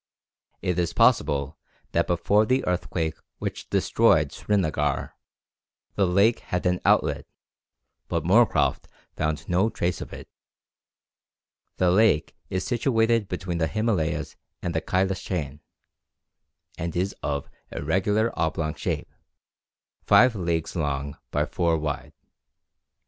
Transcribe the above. It is possible that before the earthquake which destroyed Srinagar, the lake had an outlet, but Moorcroft found no trace of it. The lake is situated between the Himalayas and the Cailas chain, and is of irregular oblong shape, five leagues long by four wide.